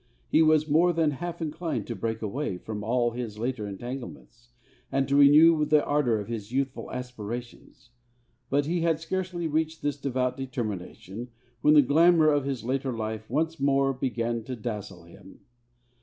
He was more than half inclined to break away from all his later entanglements, and to renew the ardour of his youthful aspirations. But he had scarcely reached this devout determination when the glamour of his later life once more began to dazzle him.